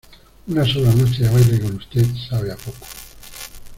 una sola noche de baile con usted sabe a poco.